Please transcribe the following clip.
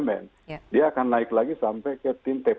dia akan naik lagi sampai ke tim tpi yang tadi disampaikan di kementerian bumn